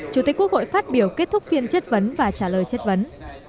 chủ tịch quốc hội phát biểu kết thúc phiên chất vấn và trả lời chất vấn